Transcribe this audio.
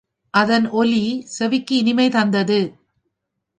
அதன் ஒலி செவிக்கு இனிமை தந்தது.